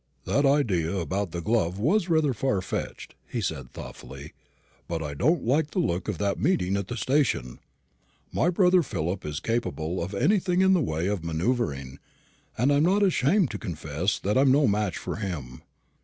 "That idea about the glove was rather far fetched," he said, thoughtfully; "but I don't like the look of that meeting at the station. My brother Philip is capable of anything in the way of manoeuvring; and I'm not ashamed to confess that I'm no match for him.